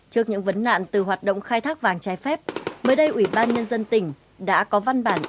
trước những vấn nạn từ hoạt động khai thác vàng trái phép mới đây ủy ban nhân dân tỉnh đã có văn bản